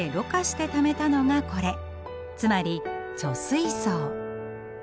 つまり貯水槽。